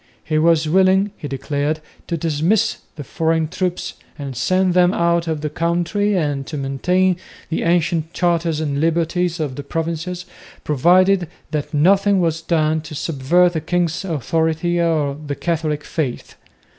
He was willing, he declared, to dismiss the foreign troops and send them out of the country and to maintain the ancient charters and liberties of the provinces, provided that nothing was done to subvert the king's authority or the Catholic faith.